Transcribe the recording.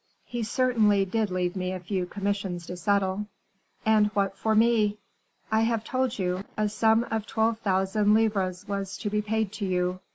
"He certainly did leave me a few commissions to settle." "And what for me?" "I have told you a sum of twelve thousand livres was to be paid to you.